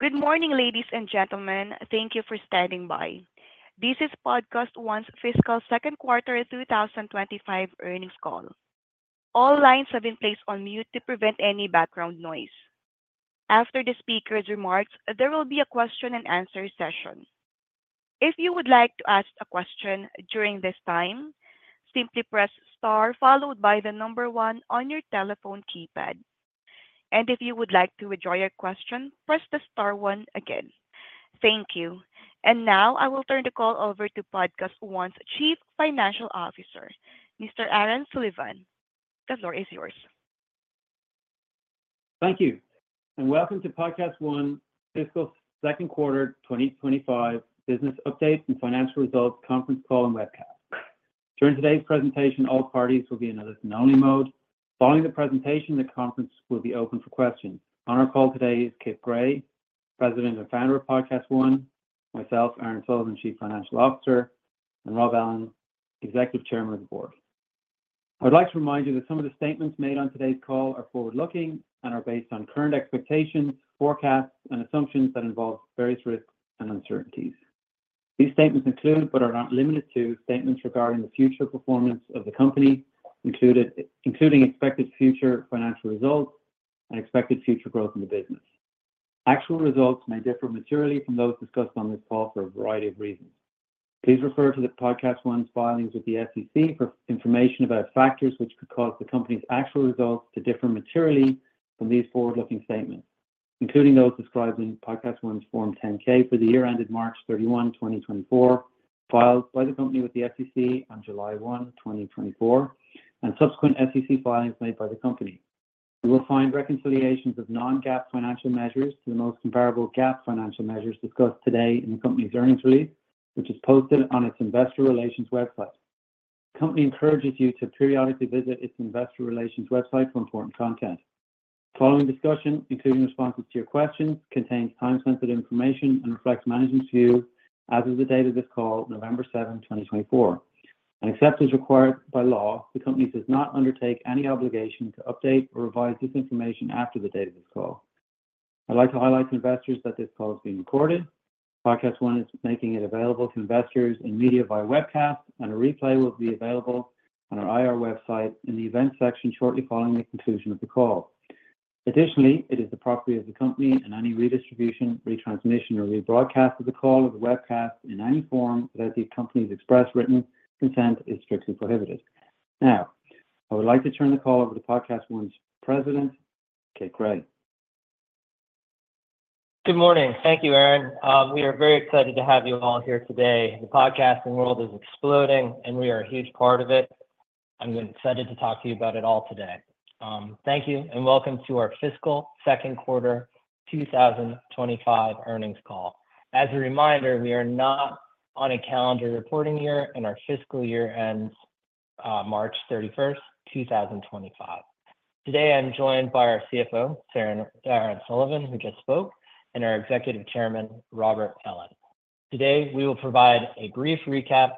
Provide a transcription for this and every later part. Good morning, ladies and gentlemen. Thank you for standing by. This is PodcastOne's fiscal second quarter 2025 earnings call. All lines have been placed on mute to prevent any background noise. After the speaker's remarks, there will be a question-and-answer session. If you would like to ask a question during this time, simply press star followed by the number one on your telephone keypad. And if you would like to withdraw your question, press the star one again. Thank you. And now I will turn the call over to PodcastOne's Chief Financial Officer, Mr. Aaron Sullivan. The floor is yours. Thank you and welcome to PodcastOne's Fiscal Second Quarter 2025 Business Update and Financial Results Conference Call and Webcast. During today's presentation, all parties will be in a listen-only mode. Following the presentation, the conference will be open for questions. On our call today is Kit Gray, President and Founder of PodcastOne, myself, Aaron Sullivan, Chief Financial Officer, and Rob Ellin, Executive Chairman of the Board. I would like to remind you that some of the statements made on today's call are forward-looking and are based on current expectations, forecasts, and assumptions that involve various risks and uncertainties. These statements include, but are not limited to, statements regarding the future performance of the company, including expected future financial results and expected future growth in the business. Actual results may differ materially from those discussed on this call for a variety of reasons. Please refer to the PodcastOne's filings with the SEC for information about factors which could cause the company's actual results to differ materially from these forward-looking statements, including those described in PodcastOne's Form 10-K for the year ended March 31, 2024, filed by the company with the SEC on July 1, 2024, and subsequent SEC filings made by the company. You will find reconciliations of non-GAAP financial measures to the most comparable GAAP financial measures discussed today in the company's earnings release, which is posted on its investor relations website. The company encourages you to periodically visit its investor relations website for important content. The following discussion, including responses to your questions, contains time-sensitive information and reflects management's views as of the date of this call, November 7, 2024. Except as required by law, the company does not undertake any obligation to update or revise this information after the date of this call. I'd like to highlight to investors that this call is being recorded. PodcastOne is making it available to investors and media via webcast, and a replay will be available on our IR website in the events section shortly following the conclusion of the call. Additionally, it is the property of the company, and any redistribution, retransmission, or rebroadcast of the call or the webcast in any form without the company's express written consent is strictly prohibited. Now, I would like to turn the call over to PodcastOne's President, Kit Gray. Good morning. Thank you, Aaron. We are very excited to have you all here today. The podcasting world is exploding, and we are a huge part of it. I'm excited to talk to you about it all today. Thank you, and welcome to our fiscal second quarter 2025 earnings call. As a reminder, we are not on a calendar reporting year, and our fiscal year ends March 31, 2025. Today, I'm joined by our CFO, Aaron Sullivan, who just spoke, and our Executive Chairman, Rob Ellin. Today, we will provide a brief recap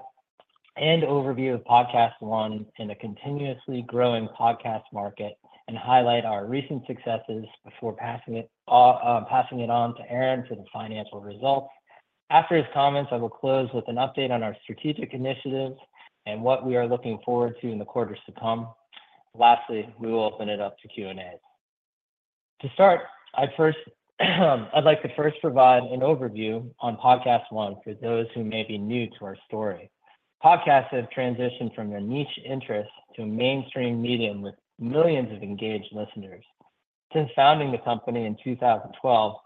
and overview of PodcastOne in a continuously growing podcast market and highlight our recent successes before passing it on to Aaron for the financial results. After his comments, I will close with an update on our strategic initiatives and what we are looking forward to in the quarters to come. Lastly, we will open it up to Q&A. To start, I'd like to first provide an overview on PodcastOne for those who may be new to our story. Podcasts have transitioned from a niche interest to a mainstream medium with millions of engaged listeners. Since founding the company in 2012,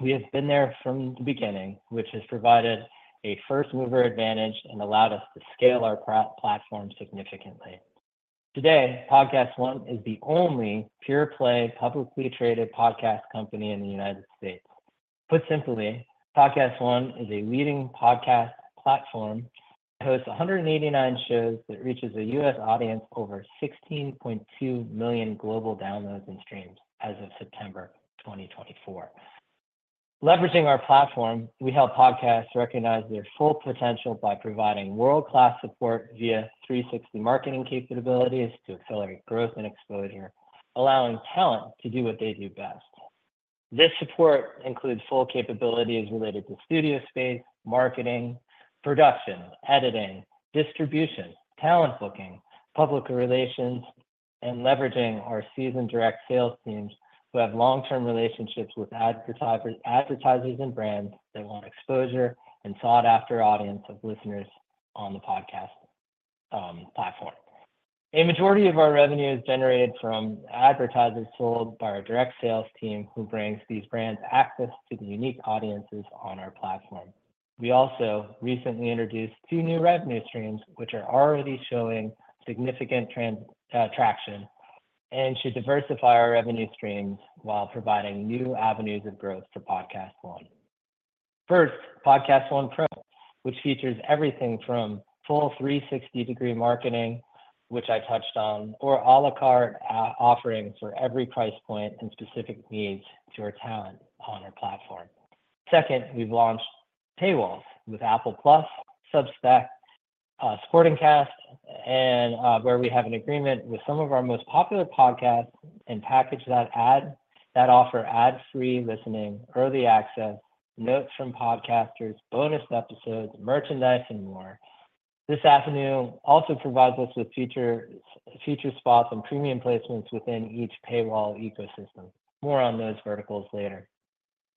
we have been there from the beginning, which has provided a first-mover advantage and allowed us to scale our platform significantly. Today, PodcastOne is the only pure-play publicly traded podcast company in the United States. Put simply, PodcastOne is a leading podcast platform that hosts 189 shows that reaches a U.S. audience of over 16.2 million global downloads and streams as of September 2024. Leveraging our platform, we help podcasts recognize their full potential by providing world-class support via 360 marketing capabilities to accelerate growth and exposure, allowing talent to do what they do best. This support includes full capabilities related to studio space, marketing, production, editing, distribution, talent booking, public relations, and leveraging our seasoned direct sales teams who have long-term relationships with advertisers and brands that want exposure and sought-after audience of listeners on the podcast platform. A majority of our revenue is generated from advertisers sold by our direct sales team, who brings these brands access to the unique audiences on our platform. We also recently introduced two new revenue streams, which are already showing significant traction, and should diversify our revenue streams while providing new avenues of growth for PodcastOne. First, PodcastOne Pro, which features everything from full 360-degree marketing, which I touched on, or à la carte offerings for every price point and specific needs to our talent on our platform. Second, we've launched paywalls with Apple Plus, Substack, Supporting Cast, and where we have an agreement with some of our most popular podcasts and package that ad that offer ad-free listening, early access, notes from podcasters, bonus episodes, merchandise, and more. This avenue also provides us with feature spots and premium placements within each paywall ecosystem. More on those verticals later.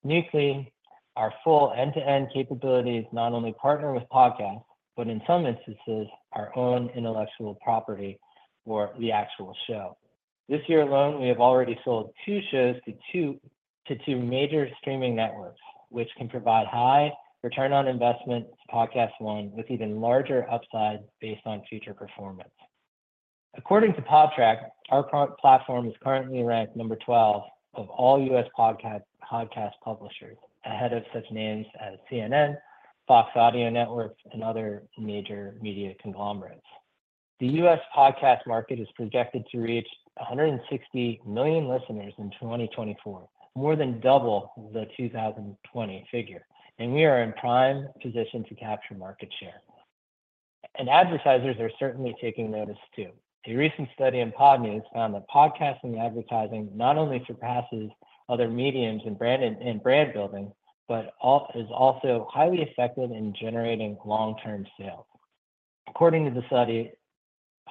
Nextly, our full end-to-end capabilities not only partner with podcasts, but in some instances, our own intellectual property for the actual show. This year alone, we have already sold two shows to two major streaming networks, which can provide high return on investment to PodcastOne with even larger upside based on future performance. According to Podtrac, our platform is currently ranked number 12 of all U.S. podcast publishers, ahead of such names as CNN, Fox Audio Network, and other major media conglomerates. The U.S. podcast market is projected to reach 160 million listeners in 2024, more than double the 2020 figure, and we are in prime position to capture market share, and advertisers are certainly taking notice, too. A recent study in Podnews found that podcasting advertising not only surpasses other mediums in brand building but is also highly effective in generating long-term sales. According to the study,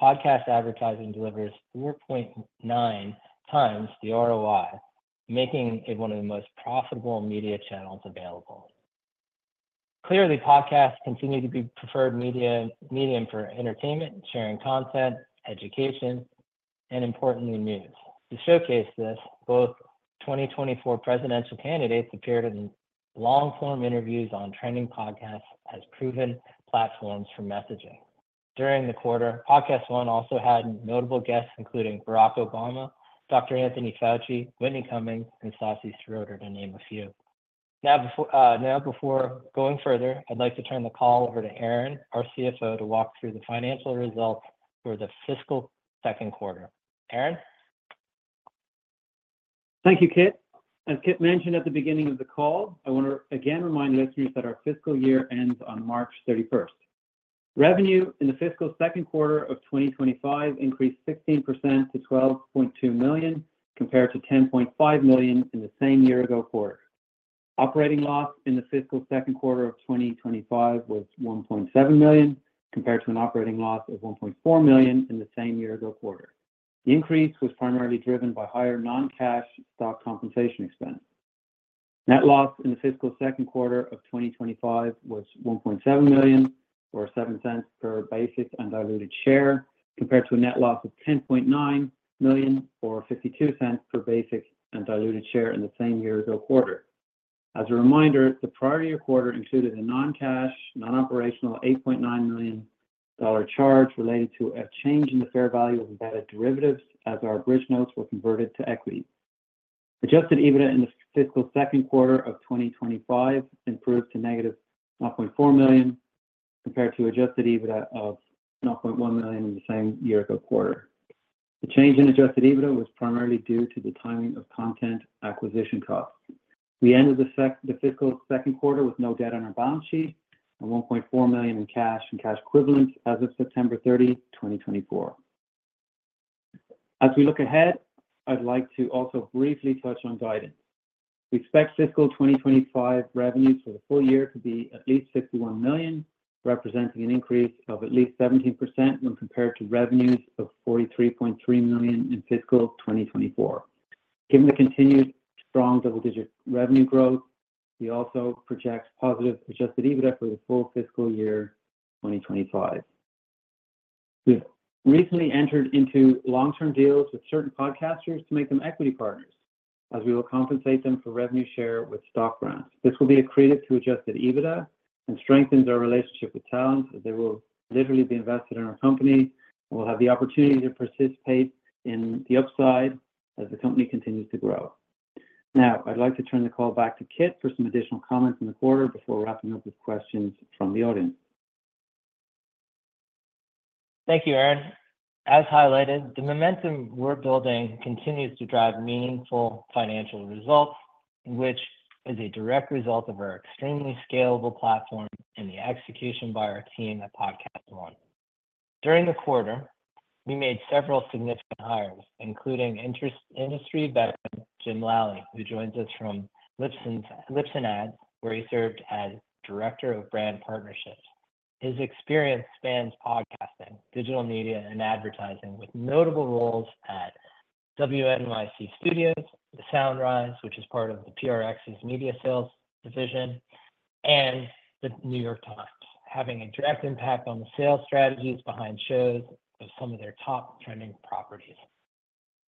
podcast advertising delivers 4.9x the ROI, making it one of the most profitable media channels available. Clearly, podcasts continue to be preferred medium for entertainment, sharing content, education, and importantly, news. To showcase this, both 2024 presidential candidates appeared in long-form interviews on trending podcasts as proven platforms for messaging. During the quarter, PodcastOne also had notable guests including Barack Obama, Dr. Anthony Fauci, Whitney Cummings, and Stassi Schroeder, to name a few. Now, before going further, I'd like to turn the call over to Aaron, our CFO, to walk through the financial results for the fiscal second quarter. Aaron? Thank you, Kit. As Kit mentioned at the beginning of the call, I want to again remind listeners that our fiscal year ends on March 31. Revenue in the fiscal second quarter of 2025 increased 16% to $12.2 million, compared to $10.5 million in the same year as the quarter. Operating loss in the fiscal second quarter of 2025 was $1.7 million, compared to an operating loss of $1.4 million in the same year as the quarter. The increase was primarily driven by higher non-cash stock compensation expense. Net loss in the fiscal second quarter of 2025 was $1.7 million, or $0.07 per basic undiluted share, compared to a net loss of $10.9 million, or $0.52 per basic undiluted share in the same year as the quarter. As a reminder, the prior year quarter included a non-cash, non-operational $8.9 million charge related to a change in the fair value of embedded derivatives as our bridge notes were converted to equity. Adjusted EBITDA in the fiscal second quarter of 2025 improved to negative $0.4 million, compared to Adjusted EBITDA of $0.1 million in the same year as the quarter. The change in Adjusted EBITDA was primarily due to the timing of content acquisition costs. We ended the fiscal second quarter with no debt on our balance sheet and $1.4 million in cash and cash equivalents as of September 30, 2024. As we look ahead, I'd like to also briefly touch on guidance. We expect fiscal 2025 revenues for the full year to be at least $51 million, representing an increase of at least 17% when compared to revenues of $43.3 million in fiscal 2024. Given the continued strong double-digit revenue growth, we also project positive Adjusted EBITDA for the full fiscal year 2025. We've recently entered into long-term deals with certain podcasters to make them equity partners, as we will compensate them for revenue share with stock grants. This will be a credit to Adjusted EBITDA and strengthens our relationship with talent, as they will literally be invested in our company and will have the opportunity to participate in the upside as the company continues to grow. Now, I'd like to turn the call back to Kit for some additional comments in the quarter before wrapping up with questions from the audience. Thank you, Aaron. As highlighted, the momentum we're building continues to drive meaningful financial results, which is a direct result of our extremely scalable platform and the execution by our team at PodcastOne. During the quarter, we made several significant hires, including industry veteran Jim Lally, who joins us from Libsyn Ads, where he served as Director of Brand Partnerships. His experience spans podcasting, digital media, and advertising, with notable roles at WNYC Studios, SoundRise, which is part of PRX's media sales division, and The New York Times, having a direct impact on the sales strategies behind shows of some of their top trending properties.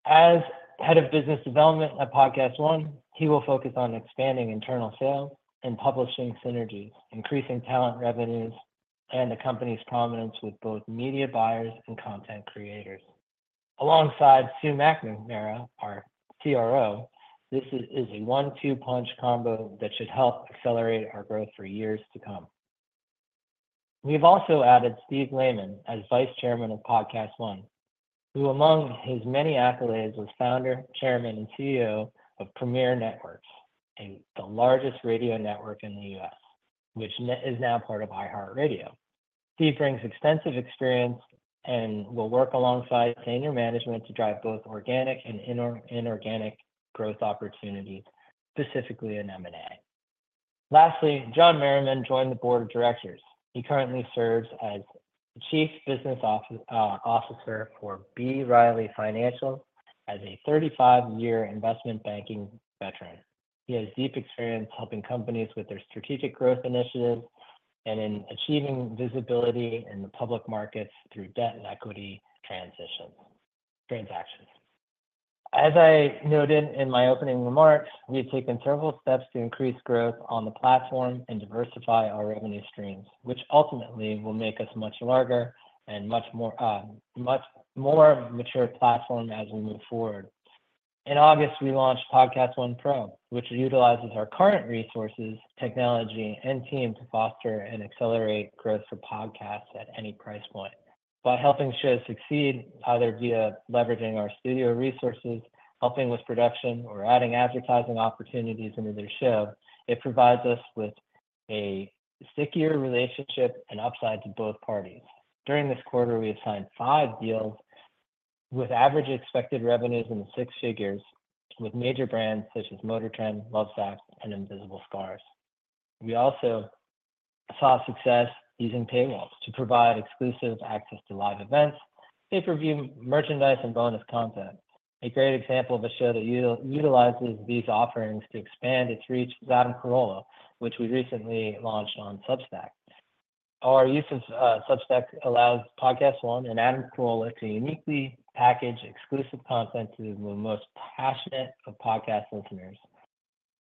As Head of Business Development at PodcastOne, he will focus on expanding internal sales and publishing synergies, increasing talent revenues, and the company's prominence with both media buyers and content creators. Alongside Sue McNamara, our CRO, this is a one-two punch combo that should help accelerate our growth for years to come. We've also added Steve Lehman as Vice Chairman of PodcastOne, who, among his many accolades, was founder, chairman, and CEO of Premiere Networks, the largest radio network in the U.S., which is now part of iHeartRadio. Steve brings extensive experience and will work alongside senior management to drive both organic and inorganic growth opportunities, specifically in M&A. Lastly, John Merriman joined the board of directors. He currently serves as Chief Business Officer for B. Riley Financial as a 35-year investment banking veteran. He has deep experience helping companies with their strategic growth initiatives and in achieving visibility in the public markets through debt and equity transactions. As I noted in my opening remarks, we've taken several steps to increase growth on the platform and diversify our revenue streams, which ultimately will make us much larger and more mature platform as we move forward. In August, we launched PodcastOne Pro, which utilizes our current resources, technology, and team to foster and accelerate growth for podcasts at any price point. By helping shows succeed, either via leveraging our studio resources, helping with production, or adding advertising opportunities into their show, it provides us with a stickier relationship and upside to both parties. During this quarter, we assigned five deals with average expected revenues in the six figures, with major brands such as MotorTrend, Lovesac, and Invisible Glass. We also saw success using paywalls to provide exclusive access to live events, pay-per-view merchandise, and bonus content. A great example of a show that utilizes these offerings to expand its reach is Adam Carolla, which we recently launched on Substack. Our use of Substack allows PodcastOne and Adam Carolla to uniquely package exclusive content to the most passionate of podcast listeners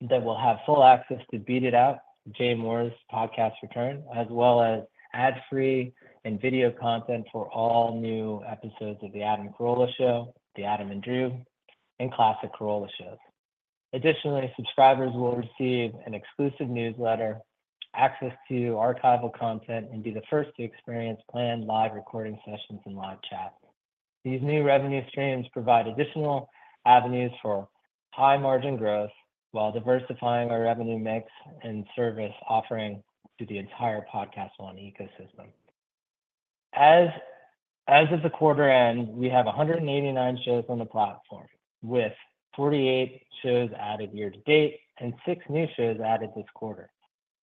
that will have full access to Beat It Out, Jay Mohr's podcast return, as well as ad-free and video content for all new episodes of The Adam Carolla Show, The Adam and Drew, and Classic Carolla shows. Additionally, subscribers will receive an exclusive newsletter, access to archival content, and be the first to experience planned live recording sessions and live chats. These new revenue streams provide additional avenues for high-margin growth while diversifying our revenue mix and service offering to the entire PodcastOne ecosystem. As of the quarter end, we have 189 shows on the platform, with 48 shows added year to date and six new shows added this quarter.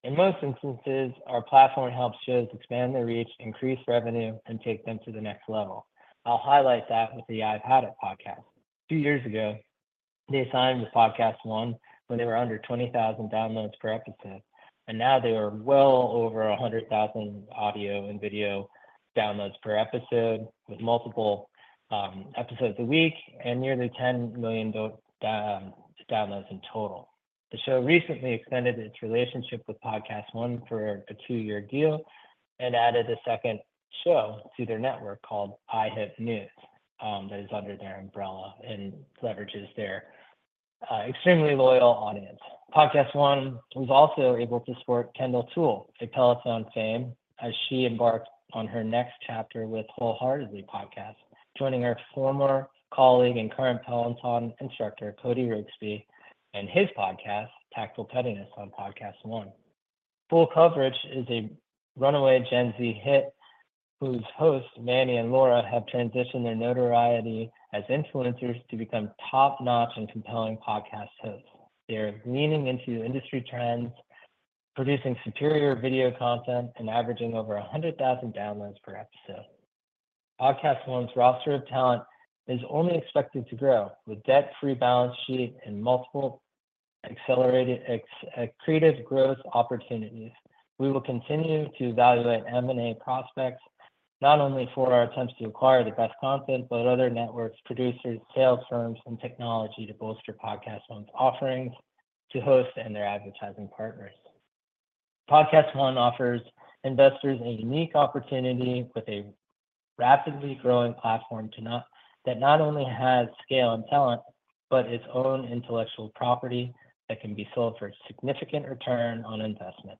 In most instances, our platform helps shows expand their reach, increase revenue, and take them to the next level. I'll highlight that with the I've Had It Podcast. Two years ago, they signed with PodcastOne when they were under 20,000 downloads per episode, and now they are well over 100,000 audio and video downloads per episode, with multiple episodes a week and nearly 10 million downloads in total. The show recently extended its relationship with PodcastOne for a two-year deal and added a second show to their network called IHIP News that is under their umbrella and leverages their extremely loyal audience. PodcastOne was also able to support Kendall Toole, a Peloton fan, as she embarked on her next chapter with Wholeheartedly Podcast, joining her former colleague and current Peloton instructor, Cody Rigsby, and his podcast, Tactical Pettiness, on PodcastOne. Fool Coverage is a runaway Gen Z hit whose hosts, Manny and Laura, have transitioned their notoriety as influencers to become top-notch and compelling podcast hosts. They are leaning into industry trends, producing superior video content, and averaging over 100,000 downloads per episode. PodcastOne's roster of talent is only expected to grow with debt-free balance sheet and multiple accelerated creative growth opportunities. We will continue to evaluate M&A prospects, not only for our attempts to acquire the best content, but other networks, producers, sales firms, and technology to bolster PodcastOne's offerings to hosts and their advertising partners. PodcastOne offers investors a unique opportunity with a rapidly growing platform that not only has scale and talent, but its own intellectual property that can be sold for a significant return on investment.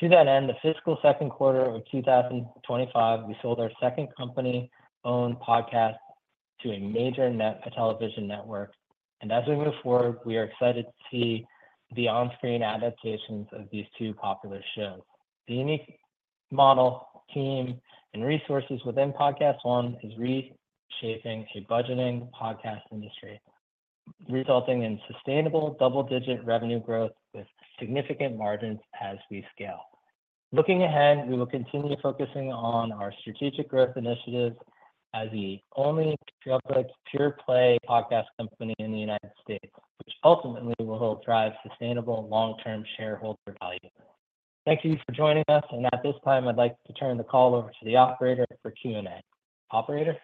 To that end, the fiscal second quarter of 2025, we sold our second company-owned podcast to a major television network, and as we move forward, we are excited to see the on-screen adaptations of these two popular shows. The unique model, team, and resources within PodcastOne is reshaping a budding podcast industry, resulting in sustainable double-digit revenue growth with significant margins as we scale. Looking ahead, we will continue focusing on our strategic growth initiatives as the only pure-play podcast company in the United States, which ultimately will help drive sustainable long-term shareholder value. Thank you for joining us, and at this time, I'd like to turn the call over to the operator for Q&A. Operator?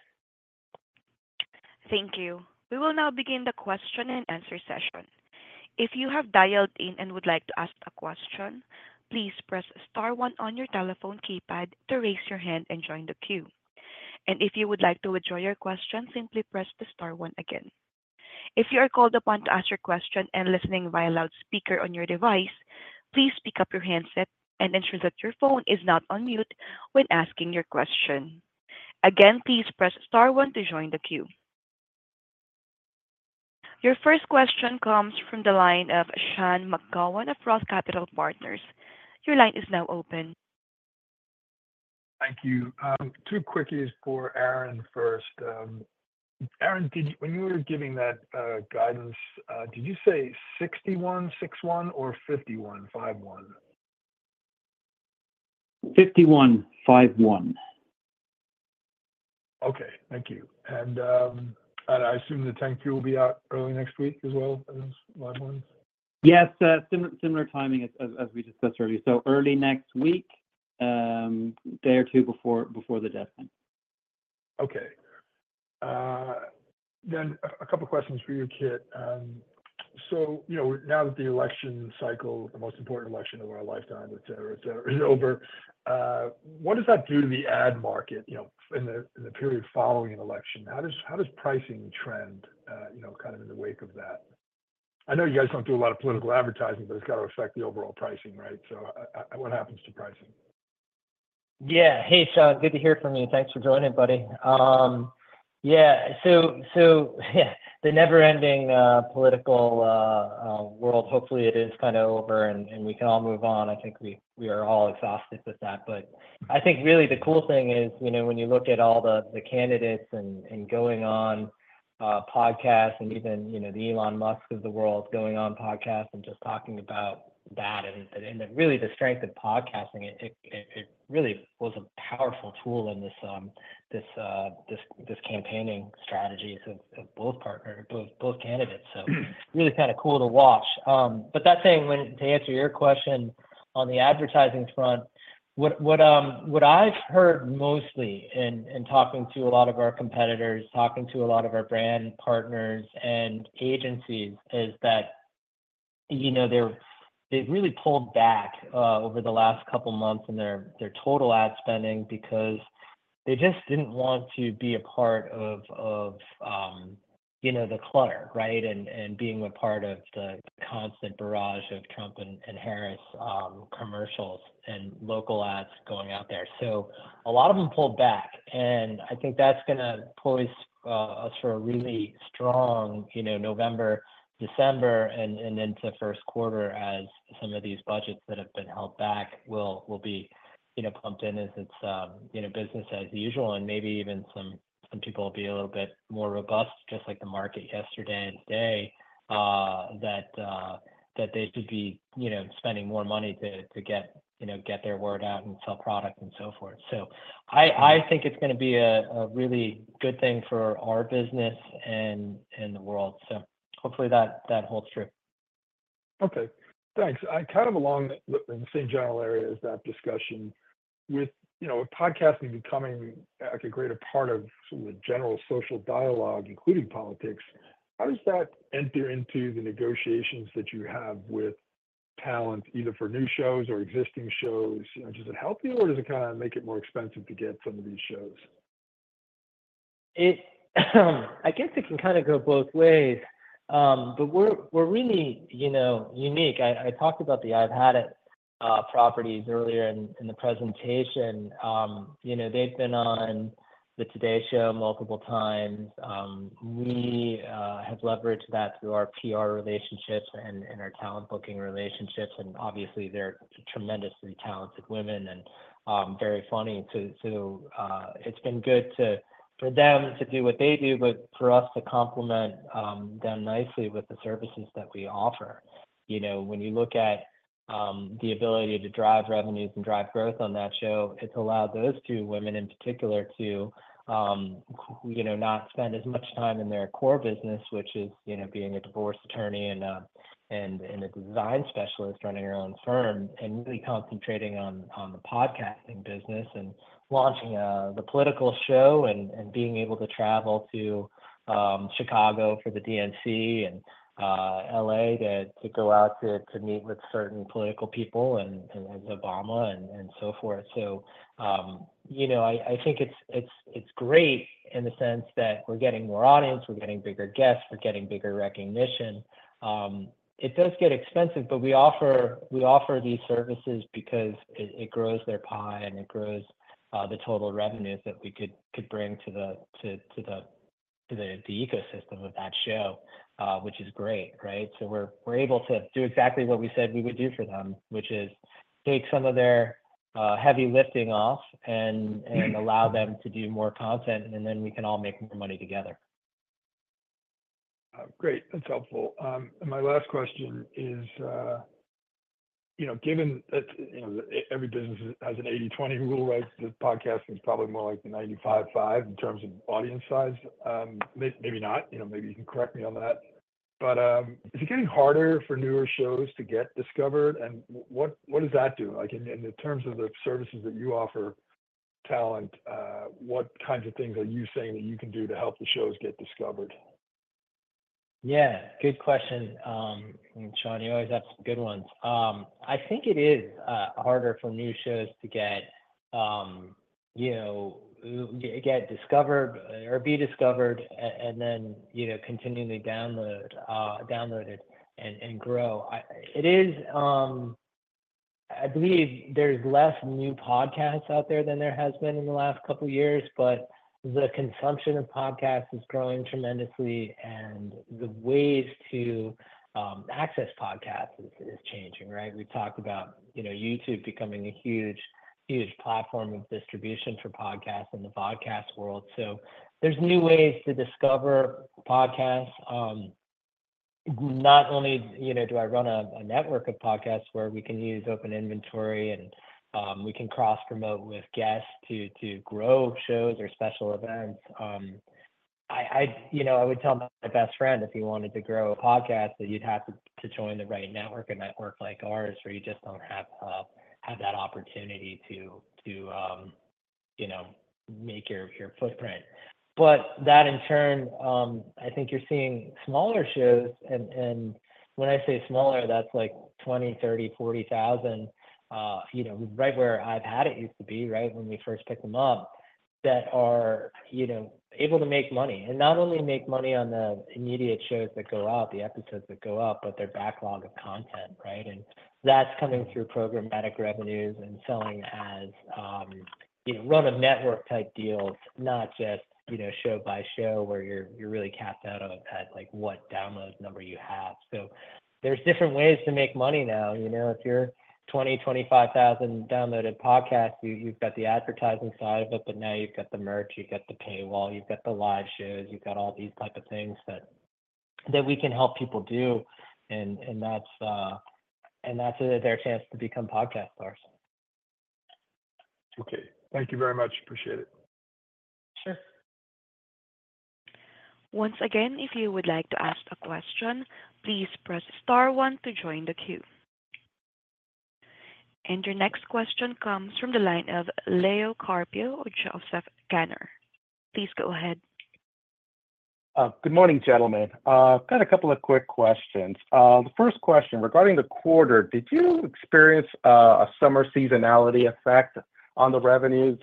Thank you. We will now begin the question and answer session. If you have dialed in and would like to ask a question, please press star one on your telephone keypad to raise your hand and join the queue. And if you would like to withdraw your question, simply press the star one again. If you are called upon to ask your question and listening via loudspeaker on your device, please pick up your handset and ensure that your phone is not on mute when asking your question. Again, please press star one to join the queue. Your first question comes from the line of Sean McGowan of ROTH MKM. Your line is now open. Thank you. Two quickies for Aaron first. Aaron, when you were giving that guidance, did you say 6161 or 5151? 5151. Okay. Thank you. And I assume the 10-Q will be out early next week as well as LiveOne? Yes. Similar timing as we discussed earlier. So early next week, day or two before the deadline. Okay. Then a couple of questions for you, Kit. So now that the election cycle, the most important election of our lifetime, etc., etc., is over, what does that do to the ad market in the period following an election? How does pricing trend kind of in the wake of that? I know you guys don't do a lot of political advertising, but it's got to affect the overall pricing, right? So what happens to pricing? Yeah. Hey, Sean. Good to hear from you. Thanks for joining, buddy. Yeah. So the never-ending political world, hopefully, it is kind of over, and we can all move on. I think we are all exhausted with that. But I think really the cool thing is when you look at all the candidates and going on podcasts and even the Elon Musk of the world going on podcasts and just talking about that. And really, the strength of podcasting, it really was a powerful tool in this campaigning strategy of both candidates. So really kind of cool to watch. But that's saying to answer your question on the advertising front, what I've heard mostly in talking to a lot of our competitors, talking to a lot of our brand partners and agencies is that they've really pulled back over the last couple of months in their total ad spending because they just didn't want to be a part of the clutter, right, and being a part of the constant barrage of Trump and Harris commercials and local ads going out there. So a lot of them pulled back. And I think that's going to poise us for a really strong November, December, and into the first quarter as some of these budgets that have been held back will be pumped in as it's business as usual. And maybe even some people will be a little bit more robust, just like the market yesterday and today, that they should be spending more money to get their word out and sell product and so forth. So I think it's going to be a really good thing for our business and the world. So hopefully, that holds true. Okay. Thanks. Kind of along the same general areas of that discussion, with podcasting becoming a greater part of the general social dialogue, including politics, how does that enter into the negotiations that you have with talent, either for new shows or existing shows? Does it help you, or does it kind of make it more expensive to get some of these shows? I guess it can kind of go both ways. But we're really unique. I talked about the I've Had It earlier in the presentation. They've been on the Today Show multiple times. We have leveraged that through our PR relationships and our talent booking relationships. And obviously, they're tremendously talented women and very funny. So it's been good for them to do what they do, but for us to complement them nicely with the services that we offer. When you look at the ability to drive revenues and drive growth on that show, it's allowed those two women in particular to not spend as much time in their core business, which is being a divorce attorney and a design specialist running her own firm, and really concentrating on the podcasting business and launching the political show and being able to travel to Chicago for the DNC and LA to go out to meet with certain political people as Obama and so forth. So I think it's great in the sense that we're getting more audience, we're getting bigger guests, we're getting bigger recognition. It does get expensive, but we offer these services because it grows their pie and it grows the total revenues that we could bring to the ecosystem of that show, which is great, right? So we're able to do exactly what we said we would do for them, which is take some of their heavy lifting off and allow them to do more content, and then we can all make more money together. Great. That's helpful. And my last question is, given that every business has an 80/20 rule, right, the podcast is probably more like the 95/5 in terms of audience size. Maybe not. Maybe you can correct me on that. But is it getting harder for newer shows to get discovered? And what does that do? In terms of the services that you offer talent, what kinds of things are you saying that you can do to help the shows get discovered? Yeah. Good question, Sean. You always ask good ones. I think it is harder for new shows to get discovered or be discovered and then continually downloaded and grow. I believe there's less new podcasts out there than there has been in the last couple of years, but the consumption of podcasts is growing tremendously, and the ways to access podcasts is changing, right? We've talked about YouTube becoming a huge platform of distribution for podcasts in the podcast world. So there's new ways to discover podcasts. Not only do I run a network of podcasts where we can use open inventory and we can cross-promote with guests to grow shows or special events. I would tell my best friend, if he wanted to grow a podcast, that you'd have to join the right network, a network like ours, where you just don't have that opportunity to make your footprint. But that, in turn, I think you're seeing smaller shows. And when I say smaller, that's like 20, 30, 40 thousand, right where I've Had It used to be, right, when we first picked them up, that are able to make money. And not only make money on the immediate shows that go out, the episodes that go out, but their backlog of content, right? And that's coming through programmatic revenues and selling as run-of-network type deals, not just show by show where you're really capped out on what download number you have. So there's different ways to make money now. If you're 20, 25 thousand downloaded podcasts, you've got the advertising side of it, but now you've got the merch, you've got the paywall, you've got the live shows, you've got all these types of things that we can help people do, and that's their chance to become podcast stars. Okay. Thank you very much. Appreciate it. Sure. Once again, if you would like to ask a question, please press star one to join the queue. And your next question comes from the line of Leo Carpio of Joseph Gunnar. Please go ahead. Good morning, gentlemen. Got a couple of quick questions. The first question, regarding the quarter, did you experience a summer seasonality effect on the revenues?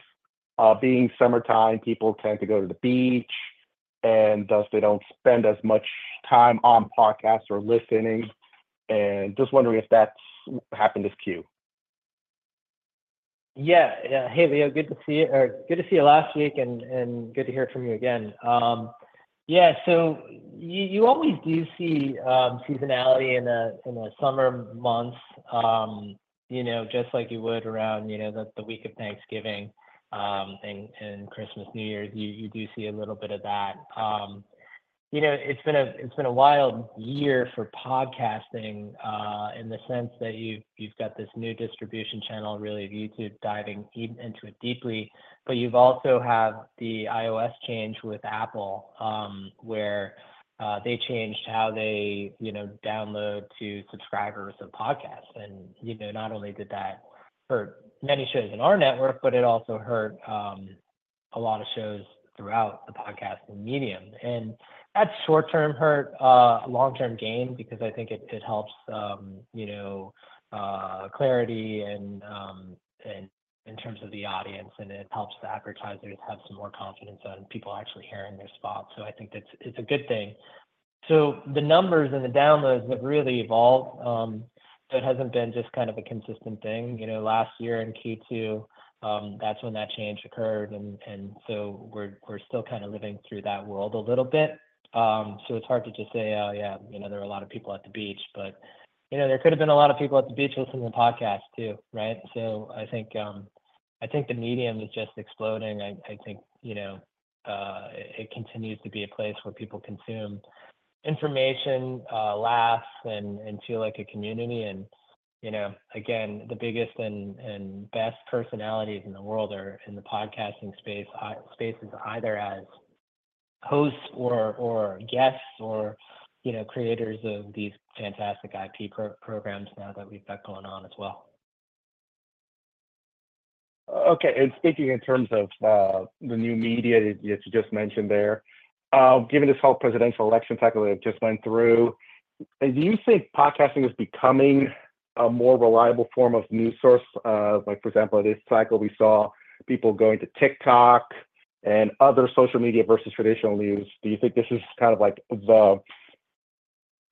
Being summertime, people tend to go to the beach, and thus they don't spend as much time on podcasts or listening. Just wondering if that's happened this Q. Yeah. Hey, Leo. Good to see you last week and good to hear from you again. Yeah. So you always do see seasonality in the summer months, just like you would around the week of Thanksgiving and Christmas New Year. You do see a little bit of that. It's been a wild year for podcasting in the sense that you've got this new distribution channel, really, of YouTube diving into it deeply. But you've also had the iOS change with Apple, where they changed how they download to subscribers of podcasts. And not only did that hurt many shows in our network, but it also hurt a lot of shows throughout the podcast medium. And that's short-term hurt, long-term gain, because I think it helps clarity and in terms of the audience, and it helps the advertisers have some more confidence on people actually hearing their spot. So I think it's a good thing. So the numbers and the downloads have really evolved. It hasn't been just kind of a consistent thing. Last year in Q2, that's when that change occurred. And so we're still kind of living through that world a little bit. So it's hard to just say, "Oh, yeah, there are a lot of people at the beach." But there could have been a lot of people at the beach listening to podcasts too, right? So I think the medium is just exploding. I think it continues to be a place where people consume information, laughs, and feel like a community. And again, the biggest and best personalities in the world are in the podcasting space, either as hosts or guests or creators of these fantastic IP programs now that we've got going on as well. Okay. And speaking in terms of the new media that you just mentioned there, given this whole presidential election cycle that just went through, do you think podcasting is becoming a more reliable form of news source? For example, this cycle, we saw people going to TikTok and other social media versus traditional news. Do you think this is kind of like the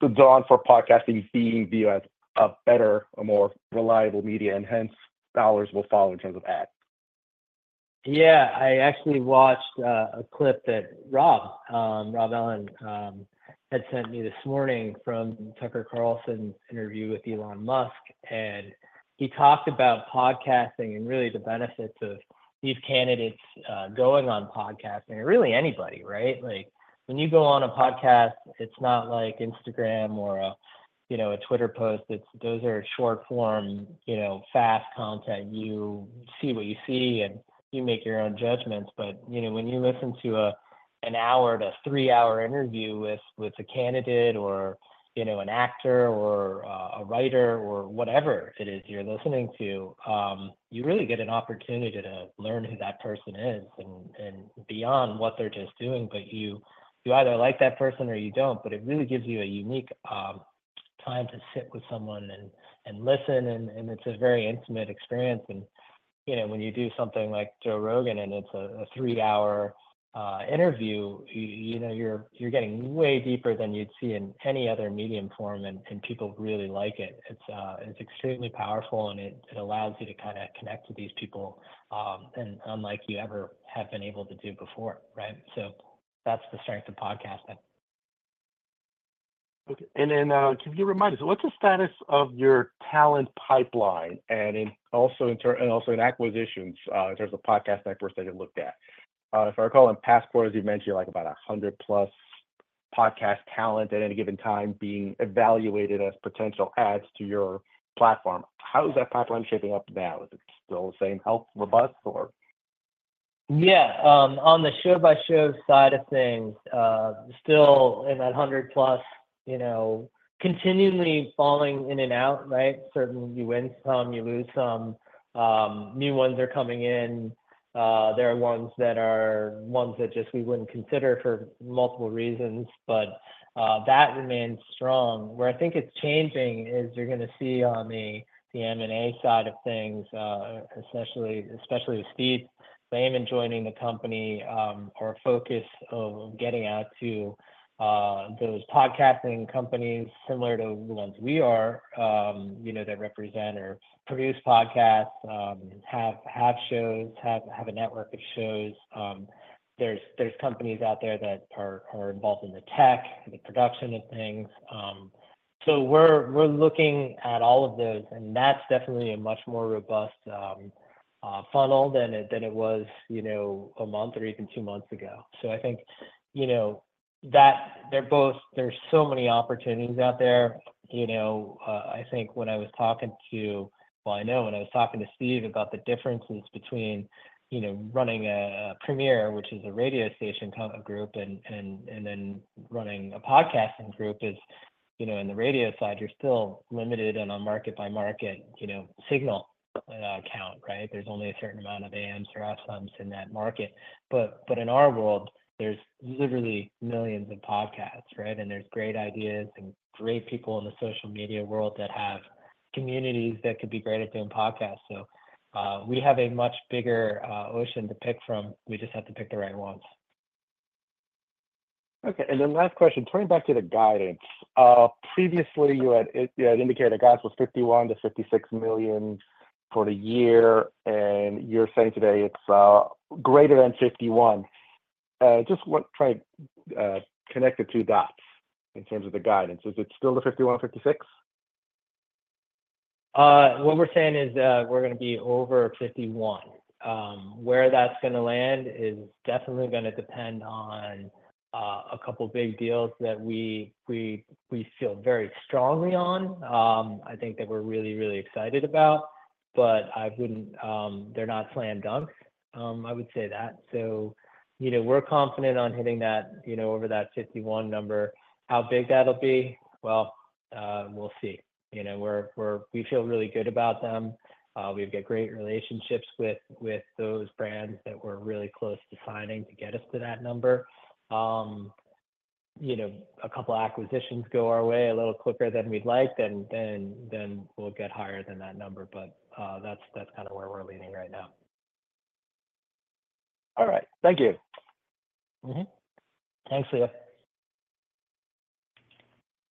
dawn for podcasting being viewed as a better, a more reliable media, and hence, dollars will follow in terms of ads? Yeah. I actually watched a clip that Rob Ellin had sent me this morning from Tucker Carlson's interview with Elon Musk. And he talked about podcasting and really the benefits of these candidates going on podcasting. And really, anybody, right? When you go on a podcast, it's not like Instagram or a Twitter post. Those are short-form, fast content. You see what you see, and you make your own judgments. But when you listen to an hour to three-hour interview with a candidate or an actor or a writer or whatever it is you're listening to, you really get an opportunity to learn who that person is and beyond what they're just doing. But you either like that person or you don't. But it really gives you a unique time to sit with someone and listen. And it's a very intimate experience. And when you do something like Joe Rogan and it's a three-hour interview, you're getting way deeper than you'd see in any other medium form, and people really like it. It's extremely powerful, and it allows you to kind of connect with these people unlike you ever have been able to do before, right? So that's the strength of podcasting. Okay. And then can you remind us, what's the status of your talent pipeline and also in acquisitions in terms of podcast networks that you looked at? If I recall, in past quarters, you mentioned about 100-plus podcast talent at any given time being evaluated as potential adds to your platform. How is that pipeline shaping up now? Is it still the same healthy, robust, or? Yeah. On the show-by-show side of things, still in that 100-plus, continually falling in and out, right? Certainly, you win some, you lose some. New ones are coming in. There are ones that just we wouldn't consider for multiple reasons, but that remains strong. Where I think it's changing is you're going to see on the M&A side of things, especially with Steve, they're even joining the company or a focus of getting out to those podcasting companies similar to the ones we are that represent or produce podcasts, have shows, have a network of shows. There's companies out there that are involved in the tech, the production of things. So we're looking at all of those, and that's definitely a much more robust funnel than it was a month or even two months ago. So I think that there's so many opportunities out there. I think when I was talking to, well, I know when I was talking to Steve about the differences between running a Premiere, which is a radio station kind of group, and then running a podcasting group, is in the radio side, you're still limited on a market-by-market signal count, right? There's only a certain amount of AMs or FMs in that market. But in our world, there's literally millions of podcasts, right? And there's great ideas and great people in the social media world that have communities that could be great at doing podcasts. So we have a much bigger ocean to pick from. We just have to pick the right ones. Okay. And then last question, turning back to the guidance. Previously, you had indicated the guidance was $51 million-$56 million for the year, and you're saying today it's greater than $51 million. Just trying to connect the two dots in terms of the guidance. Is it still the $51 million-$56 million? What we're saying is we're going to be over 51. Where that's going to land is definitely going to depend on a couple of big deals that we feel very strongly on. I think that we're really, really excited about, but they're not slam dunks. I would say that, so we're confident on hitting over that 51 number. How big that'll be, well, we'll see. We feel really good about them. We've got great relationships with those brands that we're really close to signing to get us to that number. A couple of acquisitions go our way a little quicker than we'd like, then we'll get higher than that number, but that's kind of where we're leaning right now. All right. Thank you. Thanks, Leo.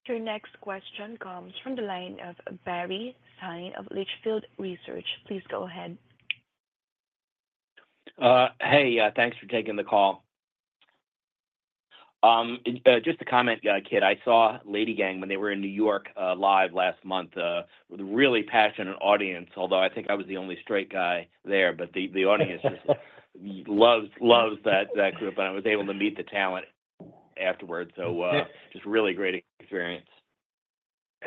Your next question comes from the line of Barry Sine of Litchfield Hills Research. Please go ahead. Hey, thanks for taking the call. Just a comment, Kit. I saw LadyGang when they were in New York live last month, with a really passionate audience, although I think I was the only straight guy there, but the audience just loves that group, and I was able to meet the talent afterward, so just really great experience.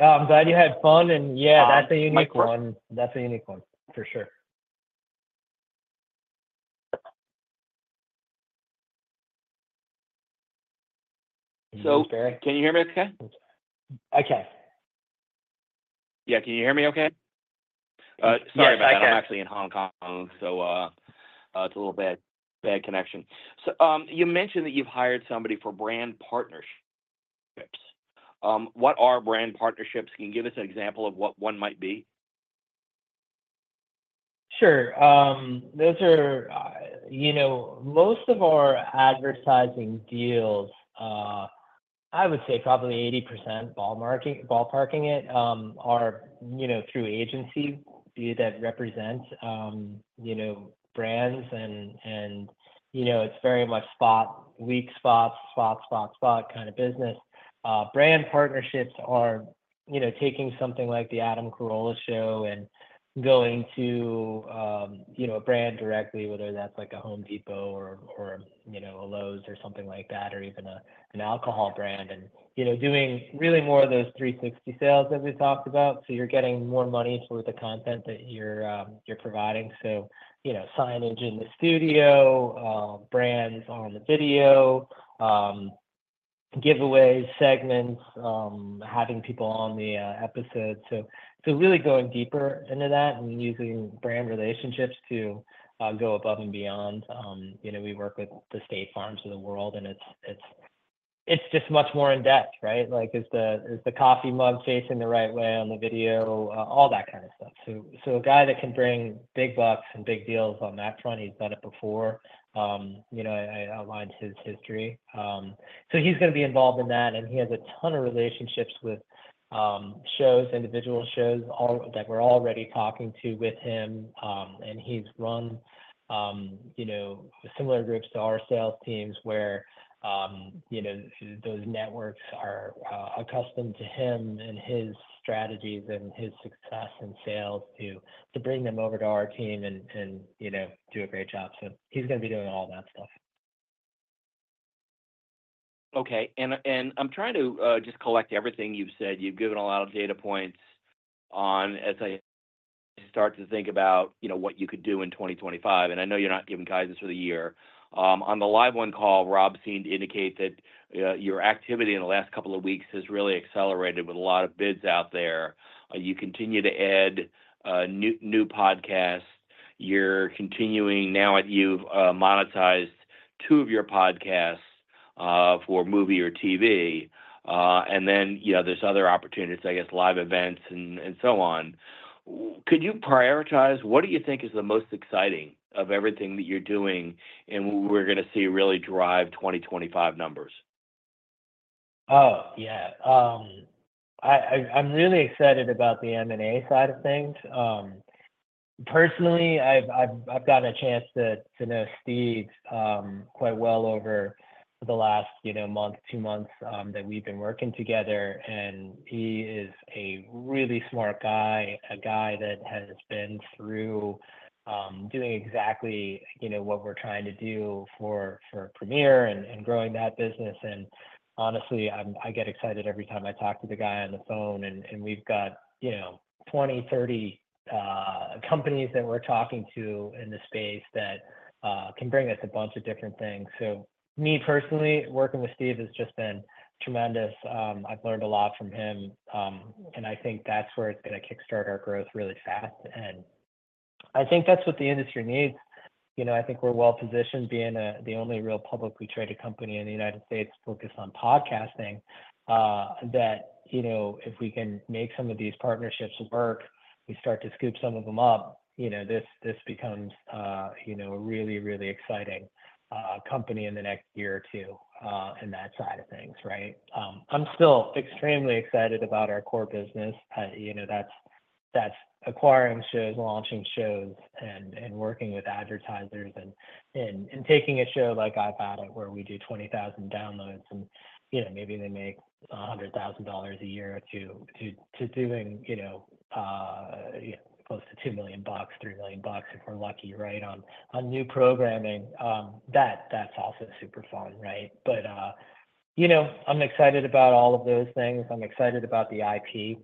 I'm glad you had fun. And yeah, that's a unique one. That's a unique one, for sure. Can you hear me okay? Okay. Yeah. Can you hear me okay? Sorry about that. I'm actually in Hong Kong, so it's a little bad connection. So you mentioned that you've hired somebody for brand partnerships. What are brand partnerships? Can you give us an example of what one might be? Sure. Most of our advertising deals, I would say probably 80%, ballparking it, are through agencies that represent brands. And it's very much spot, weak spot, spot, spot, spot kind of business. Brand partnerships are taking something like The Adam Carolla Show and going to a brand directly, whether that's like a Home Depot or a Lowe's or something like that, or even an alcohol brand, and doing really more of those 360 sales that we talked about. So you're getting more money for the content that you're providing. So signage in the studio, brands on the video, giveaway segments, having people on the episode. So really going deeper into that and using brand relationships to go above and beyond. We work with the State Farms of the world, and it's just much more in-depth, right? Is the coffee mug facing the right way on the video? All that kind of stuff, so a guy that can bring big bucks and big deals on that front, he's done it before, so he's going to be involved in that, and he has a ton of relationships with shows, individual shows that we're already talking to with him, and he's run similar groups to our sales teams where those networks are accustomed to him and his strategies and his success in sales to bring them over to our team and do a great job, so he's going to be doing all that stuff. Okay. And I'm trying to just collect everything you've said. You've given a lot of data points as I start to think about what you could do in 2025. And I know you're not giving guidance for the year. On the LiveOne call, Rob seemed to indicate that your activity in the last couple of weeks has really accelerated with a lot of bids out there. You continue to add new podcasts. You're continuing now that you've monetized two of your podcasts for movie or TV. And then there's other opportunities, I guess, live events and so on. Could you prioritize? What do you think is the most exciting of everything that you're doing and we're going to see really drive 2025 numbers? Oh, yeah. I'm really excited about the M&A side of things. Personally, I've gotten a chance to know Steve quite well over the last month, two months that we've been working together. And he is a really smart guy, a guy that has been through doing exactly what we're trying to do for Premiere and growing that business. And honestly, I get excited every time I talk to the guy on the phone. And we've got 20-30 companies that we're talking to in the space that can bring us a bunch of different things. So me personally, working with Steve has just been tremendous. I've learned a lot from him, and I think that's where it's going to kickstart our growth really fast. And I think that's what the industry needs. I think we're well-positioned being the only real publicly traded company in the United States focused on podcasting that if we can make some of these partnerships work, we start to scoop some of them up. This becomes a really, really exciting company in the next year or two in that side of things, right? I'm still extremely excited about our core business. That's acquiring shows, launching shows, and working with advertisers and taking a show like I've Had It where we do 20,000 downloads, and maybe they make $100,000 a year or two to doing close to $2 million, $3 million if we're lucky, right, on new programming. That's also super fun, right? But I'm excited about all of those things. I'm excited about the IP.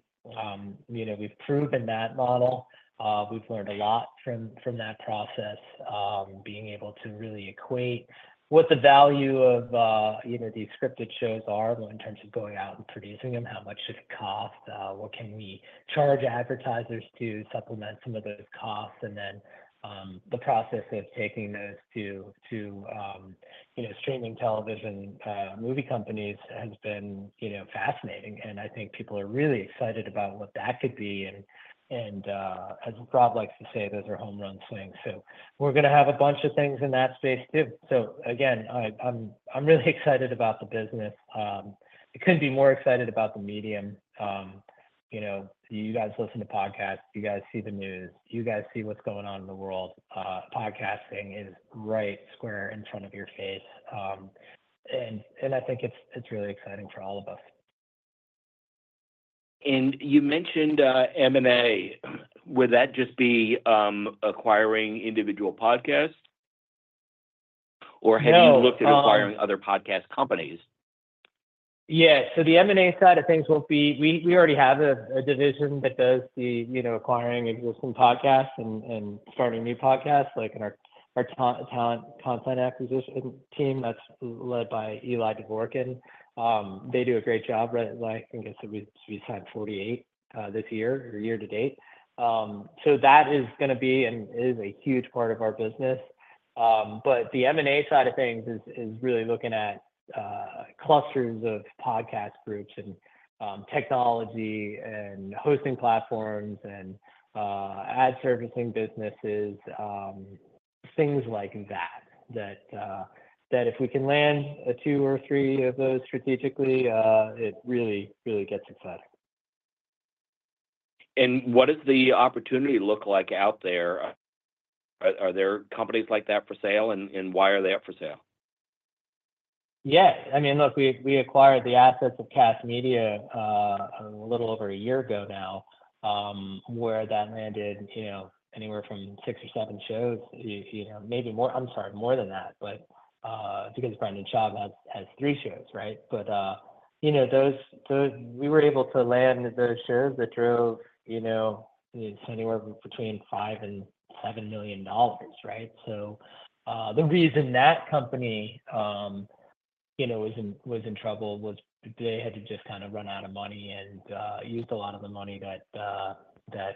We've proven that model. We've learned a lot from that process, being able to really equate what the value of these scripted shows are in terms of going out and producing them, how much does it cost, what can we charge advertisers to supplement some of those costs. And then the process of taking those to streaming television movie companies has been fascinating. And I think people are really excited about what that could be. And as Rob likes to say, those are home-run swings. So we're going to have a bunch of things in that space too. So again, I'm really excited about the business. I couldn't be more excited about the medium. You guys listen to podcasts. You guys see the news. You guys see what's going on in the world. Podcasting is right square in front of your face. And I think it's really exciting for all of us. You mentioned M&A. Would that just be acquiring individual podcasts? Or have you looked at acquiring other podcast companies? Yeah. So the M&A side of things won't be, we already have a division that does the acquiring existing podcasts and starting new podcasts like in our talent content acquisition team that's led by Eli DeVorkin. They do a great job. I think we signed 48 this year or year to date. So that is going to be and is a huge part of our business. But the M&A side of things is really looking at clusters of podcast groups and technology and hosting platforms and ad servicing businesses, things like that, that if we can land two or three of those strategically, it really, really gets exciting. What does the opportunity look like out there? Are there companies like that for sale, and why are they up for sale? Yeah. I mean, look, we acquired the assets of Kast Media a little over a year ago now, where that landed anywhere from six or seven shows, maybe more. I'm sorry, more than that, but because Brendan Schaub has three shows, right? But we were able to land those shows that drove anywhere between $5 million-$7 million, right? So the reason that company was in trouble was they had to just kind of run out of money and used a lot of the money that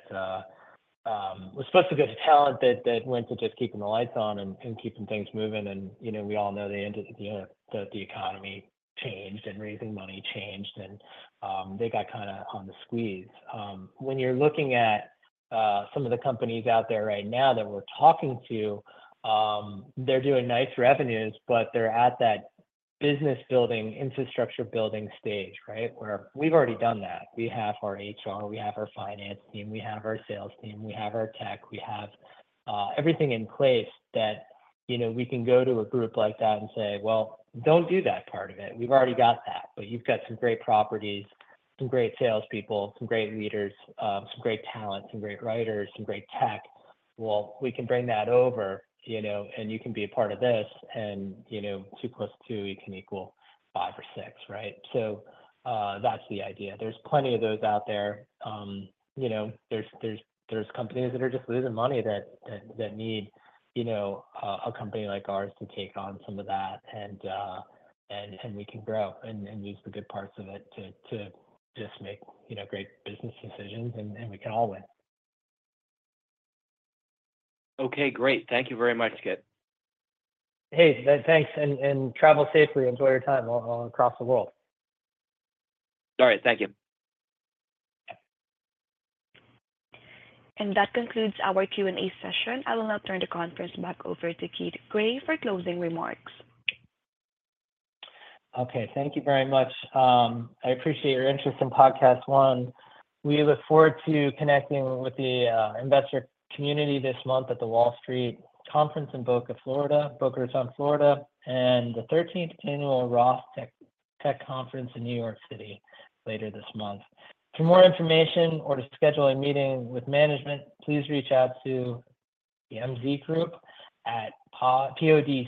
was supposed to go to talent that went to just keeping the lights on and keeping things moving. And we all know the economy changed and raising money changed, and they got kind of on the squeeze. When you're looking at some of the companies out there right now that we're talking to, they're doing nice revenues, but they're at that business-building, infrastructure-building stage, right, where we've already done that. We have our HR. We have our finance team. We have our sales team. We have our tech. We have everything in place that we can go to a group like that and say, "Well, don't do that part of it. We've already got that. But you've got some great properties, some great salespeople, some great leaders, some great talent, some great writers, some great tech. Well, we can bring that over, and you can be a part of this." And two plus two equals five or six, right? So that's the idea. There's plenty of those out there. There's companies that are just losing money that need a company like ours to take on some of that, and we can grow and use the good parts of it to just make great business decisions, and we can all win. Okay. Great. Thank you very much, Kit. Hey, thanks. And travel safely. Enjoy your time all across the world. All right. Thank you. That concludes our Q&A session. I will now turn the conference back over to Kit Gray for closing remarks. Okay. Thank you very much. I appreciate your interest in PodcastOne. We look forward to connecting with the investor community this month at the Wall Street Conference in Boca Raton, Florida, and the 13th annual ROTH Technology Conference in New York City later this month. For more information or to schedule a meeting with management, please reach out to the MZ Group at POD.